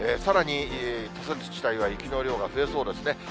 豪雪地帯は雪の量が増えそうですね。